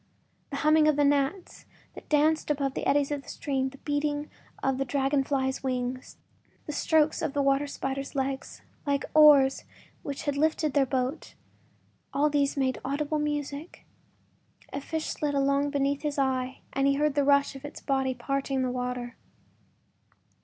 The humming of the gnats that danced above the eddies of the stream, the beating of the dragon flies’ wings, the strokes of the water spiders’ legs, like oars which had lifted their boat—all these made audible music. A fish slid along beneath his eyes and he heard the rush of its body parting the water.